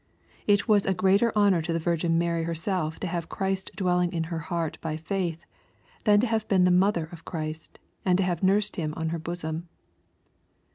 It was a greater honor to the Virgin Mary herself to have Christ dwelling in her heart by faith, than to have been the mother of Christ, and to have nursed Him on her bosom.